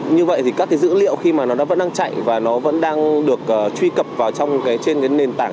như vậy thì các cái dữ liệu khi mà nó vẫn đang chạy và nó vẫn đang được truy cập vào trên cái nền tảng